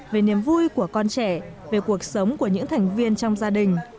về niềm vui của con trẻ về cuộc sống của những thành viên trong gia đình